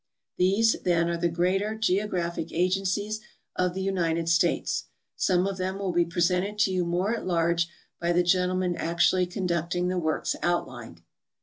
These, then, are the greater geographic agencies of the United States. Some of them will be presented to you morp at large by the gentlemen actually conducting the works outlined.